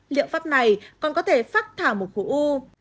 liệu pháp này còn có thể phát thảo một khối u